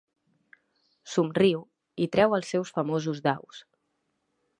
Somriu i treu els seus famosos daus.